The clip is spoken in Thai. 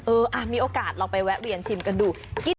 มีโอกาสลองไปแวะเวียนชิมกันดู